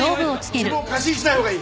自分を過信しない方がいい。